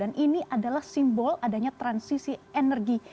dan ini adalah simbol adanya transisi energi